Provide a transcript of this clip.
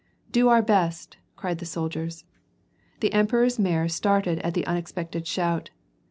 "Do our best," cried the soldiers. The emperor's mare started at the unexpected shout.